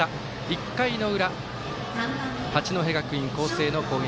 １回の裏、八戸学院光星の攻撃。